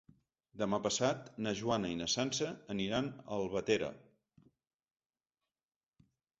Demà passat na Joana i na Sança aniran a Albatera.